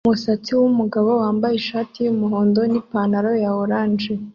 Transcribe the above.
Umusatsi wumugabo wambaye ishati yumuhondo nipantaro ya orange